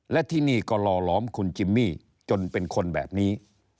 และที่นี่ก็หล่อหลอมคุณจิมมี่จนเป็นคนแบบนี้